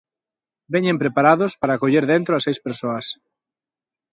Veñen preparados para acoller dentro a seis persoas.